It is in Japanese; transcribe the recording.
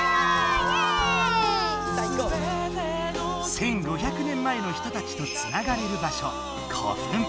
１，５００年前の人たちとつながれるばしょ古墳。